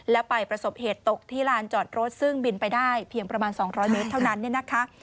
และไปประสบเหตุตกที่ลานจอดรถซึ่งบินไปได้เพียงประมาณ๒๐๐เมตรเท่านั้นเนี่ยนะคะ